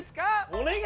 お願い！